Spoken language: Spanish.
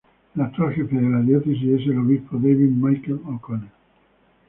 El actual jefe de la Diócesis es el Obispo David Michael O’Connell.